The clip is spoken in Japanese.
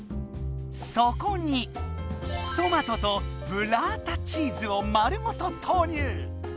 そこにトマトとブッラータチーズを丸ごと投入！